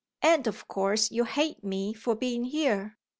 "And of course you hate me for being here."